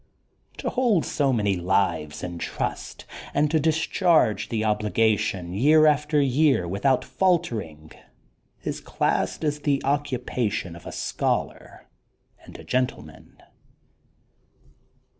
To hold so many lives in trust and to discharge the obligation year after year without faltWng is classed as the occu pation of a scholar and a gentleman.